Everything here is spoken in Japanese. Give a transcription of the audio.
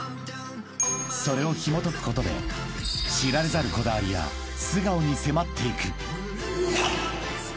［それをひもとくことで知られざるこだわりや素顔に迫っていく］